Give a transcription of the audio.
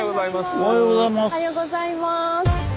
おはようございます。